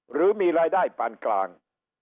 หรือมีรายได้ปานกลาง